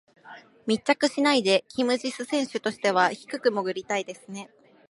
密着しないでキム・ジス選手としては低く潜りたいですね。